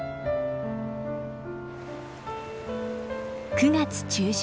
９月中旬。